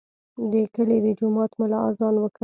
د کلي د جومات ملا اذان وکړ.